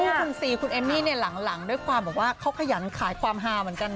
คุณซีคุณเอมมี่เนี่ยหลังด้วยความบอกว่าเขาขยันขายความฮาเหมือนกัน